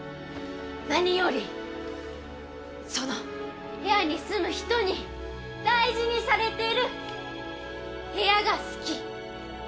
何よりその部屋に住む人に大事にされてる部屋が好き！